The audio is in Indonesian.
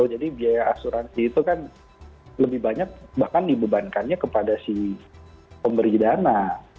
jadi biaya asuransi itu kan lebih banyak bahkan dibebankannya kepada si pemberi dana